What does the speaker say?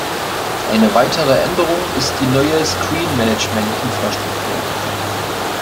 Eine weitere Änderung ist die neue Screen-Management-Infrastruktur.